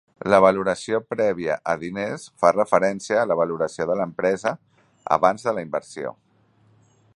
La valoració prèvia a diners fa referència a la valoració de l'empresa abans de la inversió.